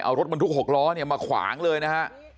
เอารถบรรทุก๖ล้อเนี่ยมาขวางเลยนะฮะ